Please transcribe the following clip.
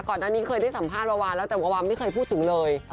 ก่อนหน้านี้เคยได้สัมภาษณ์วาวาแล้วแต่วาวาไม่เคยพูดถึงเลย